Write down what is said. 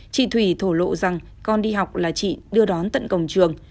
chị thủy thổ lộ rằng con đi học là chị đưa đón tận cổng trường